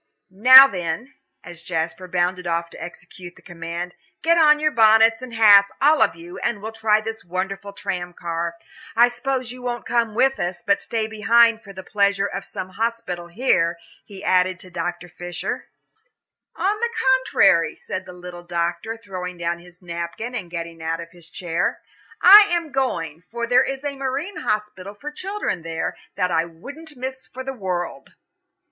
Now then," as Jasper bounded off to execute the command, "get on your bonnets and hats, all of you, and we'll try this wonderful tram car. I suppose you won't come with us, but will stay behind for the pleasures of some hospital here," he added to Dr. Fisher. "On the contrary," said the little doctor, throwing down his napkin and getting out of his chair. "I am going, for there is a marine hospital for children there, that I wouldn't miss for the world."